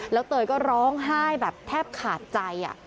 แล้วเตยก็ร้องไห้แบบแทบขาดใจ